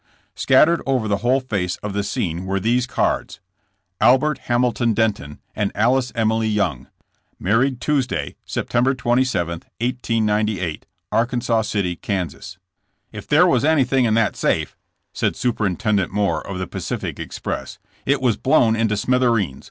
Scattered over the whole face of the scene were these cards: ALBERT HAMILTON DENTON AND ALICE EMILY YOUNG, Married, Tuesday, September 27, 1898, Arkansas City, Kas. If there was anything in that safe,'^ said Super intendent Moore of the Pacific express, *'it was blown into smithereens!